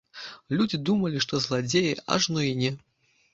Людзі думалі, што зладзеі, ажно і не!